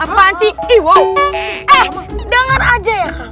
eh denger aja ya